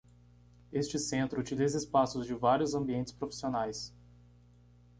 Este centro utiliza espaços de vários ambientes profissionais.